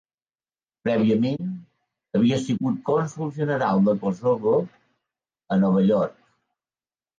Prèviament, havia sigut cònsol general de Kosovo a Nova York.